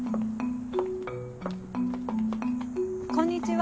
こんにちは。